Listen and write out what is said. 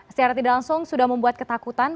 secara tidak langsung sudah membuat ketakutan